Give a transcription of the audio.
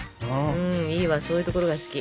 いいわそういうところが好き。